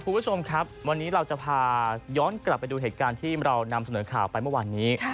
คุณผู้ชมครับวันนี้เราจะพาย้อนกลับไปดูเหตุการณ์ที่เรานำเสนอข่าวไปเมื่อวานนี้